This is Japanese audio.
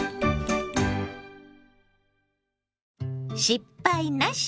「失敗なし！